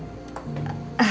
dengan ibu mayang